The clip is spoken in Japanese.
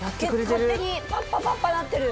パッパパッパなってる。